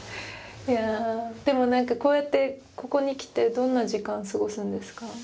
でも何かこうやってここに来てどんな時間過ごすんですか？